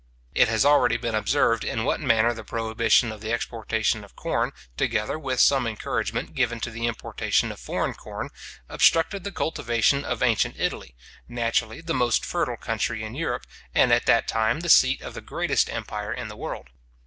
It has already been observed in what manner the prohibition of the exportation of corn, together with some encouragement given to the importation of foreign corn, obstructed the cultivation of ancient Italy, naturally the most fertile country in Europe, and at that time the seat of the greatest empire in the world.